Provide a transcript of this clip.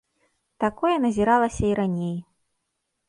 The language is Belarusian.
Такое назіралася і раней.